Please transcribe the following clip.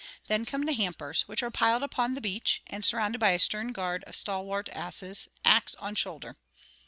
Then come the hampers, which are piled upon the beach, and surrounded by a stern guard of stalwart asses, axe on shoulder.